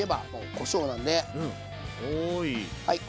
はい。